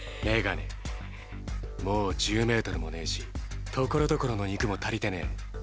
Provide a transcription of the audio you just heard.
メガネもう１０ｍもねぇしところどころの肉も足りてねぇ。